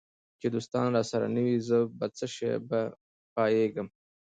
چي دوستان راسره نه وي زه په څشي به پایېږم